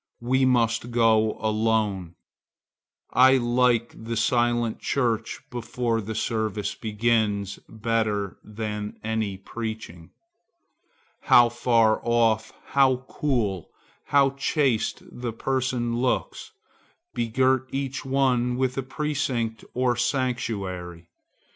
We must go alone. I like the silent church before the service begins, better than any preaching. How far off, how cool, how chaste the persons look, begirt each one with a precinct or sanctuary!